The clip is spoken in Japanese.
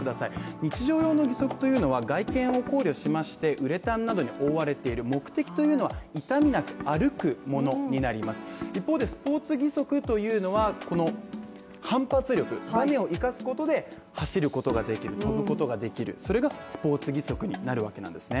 日常用の義足というのは外見を考慮しましてウレタンなどに覆われている目的というのは痛みなく歩くものになります一方でスポーツ義足というのはこの反発力を生かすことで走ることができる飛ぶことができるそれがスポーツ義足になるわけなんですね